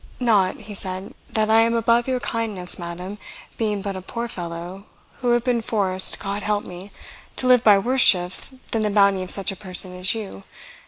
"Not," he said, "that I am above your kindness, madam, being but a poor fellow, who have been forced, God help me! to live by worse shifts than the bounty of such a person as you.